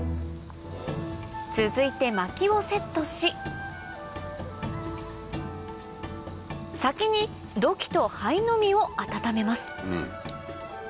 続いて薪をセットし先に土器と灰のみを温めます